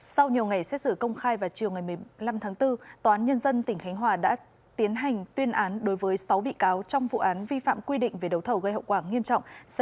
sau nhiều ngày xét xử công khai và chiều ngày một mươi năm tháng bốn tòa án nhân dân tỉnh khánh hòa đã tiến hành tuyên án đối với sáu bị cáo trong vụ án vi phạm quy định về đấu thầu gây hậu quả nghiêm trọng xảy ra tại cdc khánh hòa